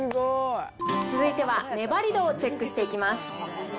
続いては粘り度をチェックしていきます。